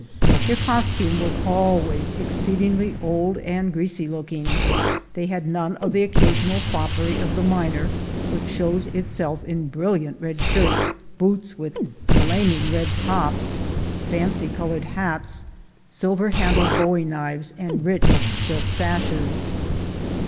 Their cos tume was always exceedingly old and greasy looking; they had none of the occasional foppery of the miner, which shows itself in brilliant red shirts, boots with flaming red tops, fancy colored hats, silver handled bowie knives, and rich silk sashes.